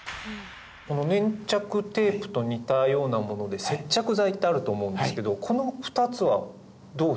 この粘着テープと似たようなもので接着剤ってあると思うんですけどこの２つは。